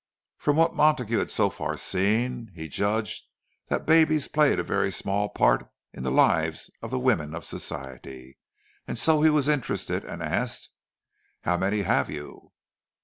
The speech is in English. From what Montague had so far seen, he judged that babies played a very small part in the lives of the women of Society; and so he was interested, and asked, "How many have you?"